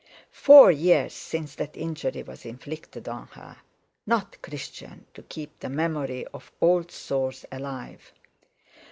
Four years since that injury was inflicted on her—not Christian to keep the memory of old sores alive.